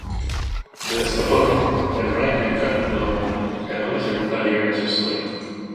De esta forma el Rhein-Neckar Löwen ganó la segunda liga de su historia.